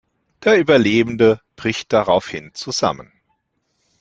Der Überlebende bricht daraufhin zusammen.